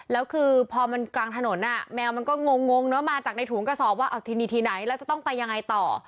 แล้วคือพอมันกลางถนนแมวมันก็งงเนอะมาจากในถุงกระสอบว่าเอาทีนี้ที่ไหนแล้วจะต้องไปยังไงต่อ